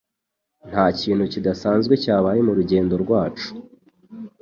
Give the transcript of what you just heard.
Ntakintu kidasanzwe cyabaye murugendo rwacu.